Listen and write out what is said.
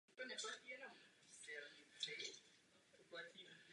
Protékající potok Brusnice vytváří osu celé údolní nivy.